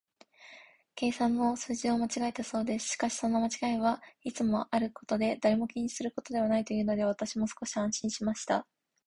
計算の数字を間違えたのだそうです。しかし、そんな間違いはいつもあることで、誰も気にするものはないというので、私も少し安心しました。